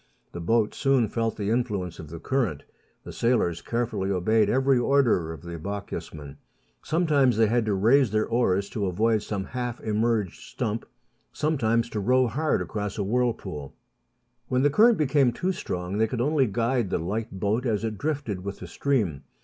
The boat soon felt the influence of the current. The sailors carefully obeyed every order of the Bochjesman. Some times they had to raise their oars to avoid some half emerged stump ; sometimes to row hard across a whirlpool. 94 ^ meridiana; the adventures of When the current became too strong they could only guide the light boat as it drifted with the stream.